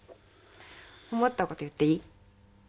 思ったこと言っていい？